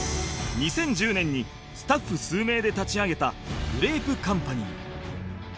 ２０１０年にスタッフ数名で立ち上げたグレープカンパニー